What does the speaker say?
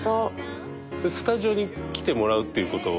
スタジオに来てもらうっていうこと。